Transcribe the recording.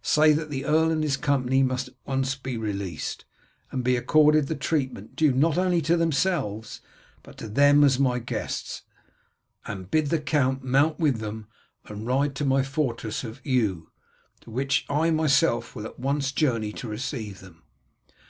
Say that the earl and his company must at once be released, and be accorded the treatment due not only to themselves, but to them as my guests, and bid the count mount with them and ride to my fortress of Eu, to which I myself will at once journey to receive them.